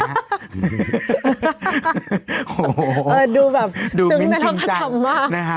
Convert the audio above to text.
โหดูแบบนึกน่ารักพระธรรมมาก